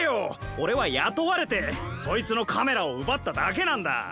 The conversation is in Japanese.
オレはやとわれてそいつのカメラをうばっただけなんだ。